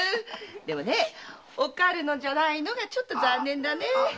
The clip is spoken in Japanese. でもねおかるのじゃないのがちょっと残念だねぇ。